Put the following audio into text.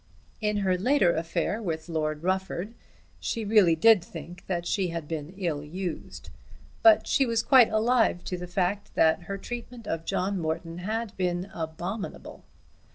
In her later affair with Lord Rufford, she really did think that she had been ill used; but she was quite alive to the fact that her treatment of John Morton had been abominable.